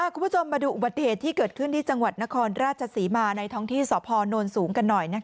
คุณผู้ชมมาดูอุบัติเหตุที่เกิดขึ้นที่จังหวัดนครราชศรีมาในท้องที่สพนสูงกันหน่อย